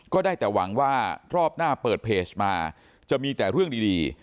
ได้แต่หวังว่ารอบหน้าเปิดเพจมาจะมีแต่เรื่องดี